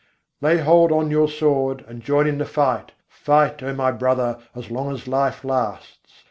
Lay hold on your sword, and join in the fight. Fight, O my brother, as long as life lasts.